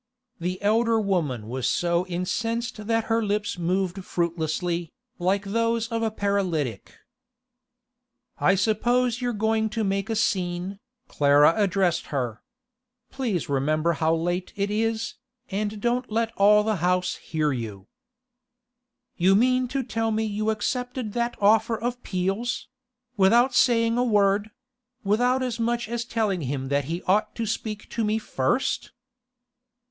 The elder woman was so incensed that her lips moved fruitlessly, like those of a paralytic. 'I suppose you're going to make a scene,' Clara addressed her. 'Please remember how late it is, and don't let all the house hear you.' 'You mean to tell me you accepted that offer of Peel's—without saying a word—without as much as telling him that he ought to speak to me first?